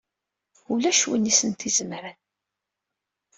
Ulac win i sent-izemren!